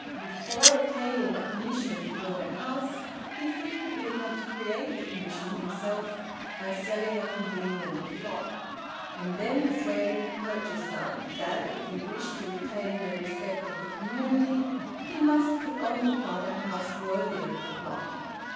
Before obtaining a commission to build a house, he frequently had to create the commission himself by selling a convenient plot, and then persuading the purchaser that if he wished to retain the respect of the community he must put on the plot a house worthy of the plot.